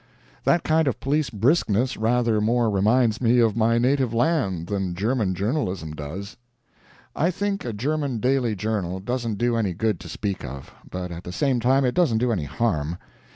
That kind of police briskness rather more reminds me of my native land than German journalism does. I think a German daily journal doesn't do any good to speak of, but at the same time it doesn't do any harm.